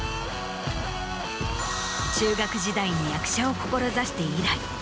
中学時代に役者を志して以来。